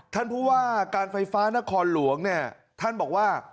ท่านผู้ว่าการไฟฟ้านครหลวงเนี่ยท่านบอกว่า